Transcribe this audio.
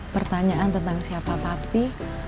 pertanyaan tentang siapa papi